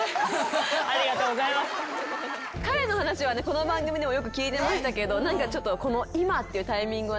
彼の話はこの番組でもよく聞いてましたけど何か。